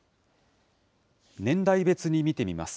年代別に見てみます。